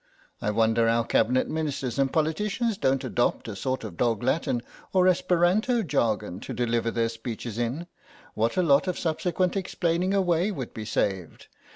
I wonder our Cabinet Ministers and politicians don't adopt a sort of dog Latin or Esperanto jargon to deliver their speeches in; what a lot of subsequent explaining away would be saved.